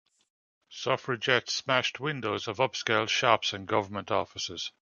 Suffragettes smashed windows of upscale shops and government offices.